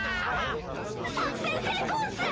作戦成功っす！